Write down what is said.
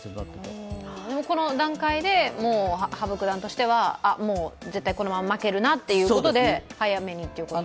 この段階で羽生九段としては、もう絶対このまま負けるなということで早めにということ？